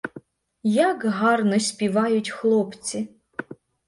Як гарно співають хлопці!